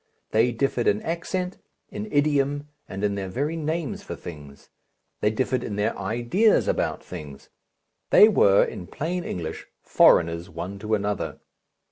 They differed in accent, in idiom, and in their very names for things. They differed in their ideas about things. They were, in plain English, foreigners one to another.